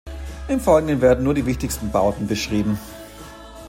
Im Folgenden werden nur die wichtigsten Bauten beschrieben.